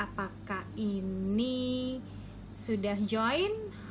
apakah ini sudah join